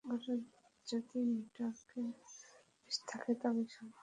ওরা যদি নেটওয়ার্কে এক্টিভ থাকে তবেই সম্ভব।